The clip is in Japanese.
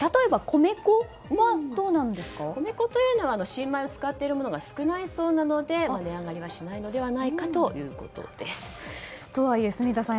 米粉というのは新米を使っているものが少ないそうなので値上がりはしないのではないかとはいえ住田さん